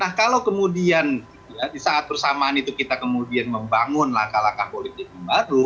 nah kalau kemudian di saat bersamaan itu kita kemudian membangun langkah langkah politik yang baru